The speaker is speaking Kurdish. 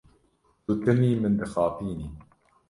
Tu timî min dixapînî.